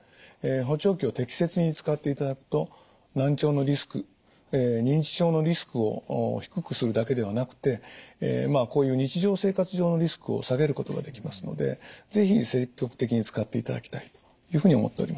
補聴器を適切に使っていただくと難聴のリスク認知症のリスクを低くするだけではなくてこういう日常生活上のリスクを下げることができますので是非積極的に使っていただきたいというふうに思っております。